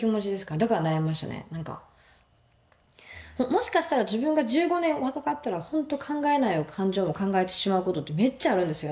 もしかしたら自分が１５年若かったら本当考えない感情も考えてしまうことってめっちゃあるんですよ。